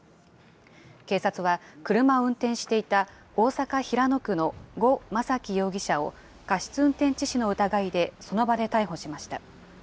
警察は、車を運転していた大阪・平野区の呉昌樹容疑者を、過失運転致死の疑いでその場で逮捕しました。